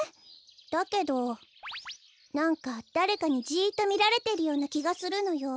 だけどなんかだれかにジッとみられてるようなきがするのよ。